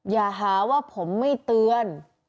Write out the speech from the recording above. อย่าหาว่าผมไม่เตือน